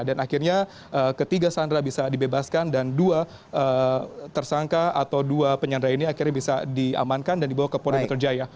dan akhirnya ketiga sandra bisa dibebaskan dan dua tersangka atau dua penyandra ini akhirnya bisa diamankan dan dibawa ke polri dato' jaya